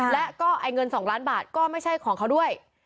และก็เงิน๒ล้านบาทก็ไม่ใช่ของเขาด้วย